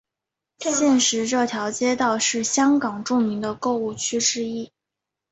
现时这条街道是香港著名的购物区之一。